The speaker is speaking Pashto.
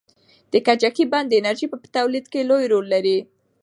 د کجکي بند د انرژۍ په تولید کې لوی رول لري.